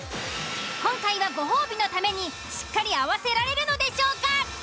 今回はご褒美のためにしっかり合わせられるのでしょうか？